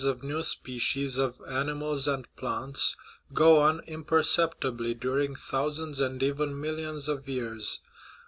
of new species of animals and plants, go on imperceptibly during thousands and even millions of years.